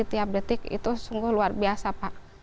tiap detik itu sungguh luar biasa pak